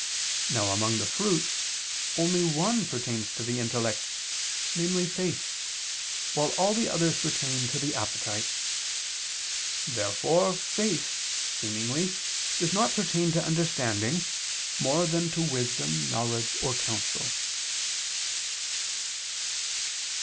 Now, among the fruits, only one pertains to the intellect; namely, faith, while all the others pertain to the appetite. Therefore faith, seemingly, does not pertain to understanding more than to wisdom, knowledge or counsel.